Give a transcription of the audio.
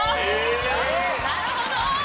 なるほど！